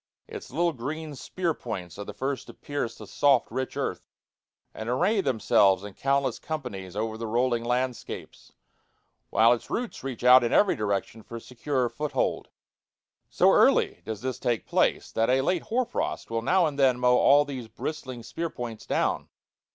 Its little green spear points are the first to pierce the soft rich earth, and array themselves in countless companies over the rolling landscapes, while its roots reach out in every direction for securer foothold. So early does this take place, that a late hoar frost will now and then mow all these bristling spear points down.